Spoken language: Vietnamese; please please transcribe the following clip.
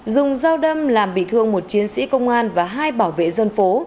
dùng dao đâm làm bị thương một chiến sĩ công an và hai bảo vệ dân phố